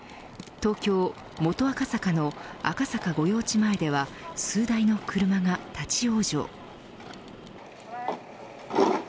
東京、元赤坂の赤坂御用地前では数台の車が立ち往生。